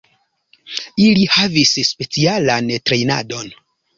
Ili havis specialan trejnadon.